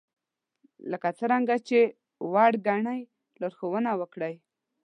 لکه څرنګه چې وړ ګنئ لارښوونه وکړئ